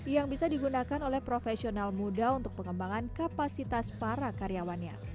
yang bisa digunakan oleh profesional muda untuk pengembangan kapasitas para karyawannya